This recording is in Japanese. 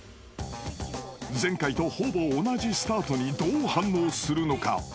［前回とほぼ同じスタートにどう反応するのか？］